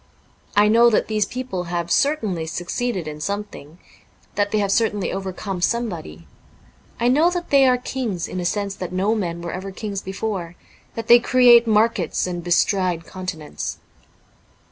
I know that these people have certainly succeeded in something ; that they have certainly overcome somebody ; I know that they are kings in a sense that no men were ever kings before ; that they create markets and bestride continents.